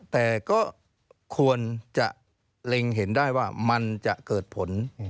แต่ก็ควรจะเล็งเห็นได้ว่ามันจะเกิดผล